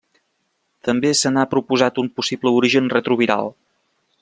També se n'ha proposat un possible origen retroviral.